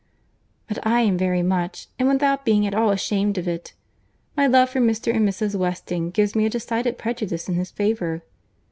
"But I am very much, and without being at all ashamed of it. My love for Mr. and Mrs. Weston gives me a decided prejudice in his favour."